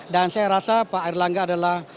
dan saya rasa pak erlangga adalah